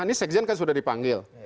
ini sekjen kan sudah dipanggil